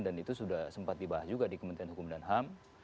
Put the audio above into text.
dan itu sudah sempat dibahas juga di kementerian hukum dan ham